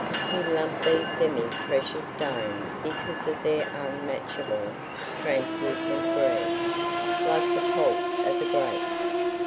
He loved these semi precious stones because of their unmatchable, translucent green like the pulp of a grape.